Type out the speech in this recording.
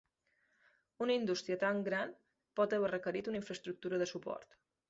Una indústria tan gran pot haver requerit una infraestructura de suport.